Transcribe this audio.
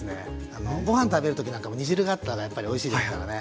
あのご飯食べる時なんかも煮汁があったらやっぱりおいしいですからね。